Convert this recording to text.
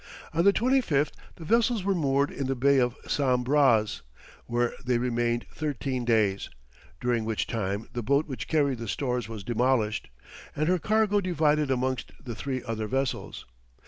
On the 25th the vessels were moored in the Bay of Sam Braz, where they remained thirteen days, during which time the boat which carried the stores was demolished, and her cargo divided amongst the three other vessels.